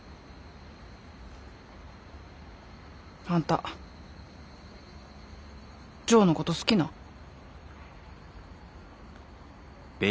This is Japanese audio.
あんたジョーのこと好きなん？